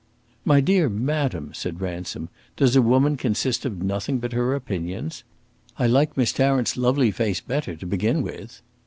"My dear madam," said Ransom, "does a woman consist of nothing but her opinions? I like Miss Tarrant's lovely face better, to begin with."